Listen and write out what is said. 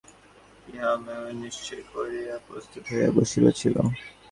আজ রমেশ সকাল-সকাল আসিবে, ইহা হেমনলিনী নিশ্চয় ঠিক করিয়া প্রস্তুত হইয়া বসিয়া ছিল।